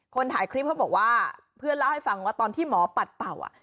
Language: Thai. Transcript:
คนถ่ายคลิปเขาบอกว่าเพื่อนเล่าให้ฟังว่าตอนที่หมอปัดเป่าอ่ะ